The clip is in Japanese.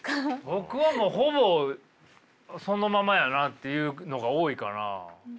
僕はほぼそのままやなっていうのが多いかな。